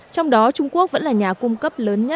trong đó trung quốc vẫn là nhà cung cấp lớn nhất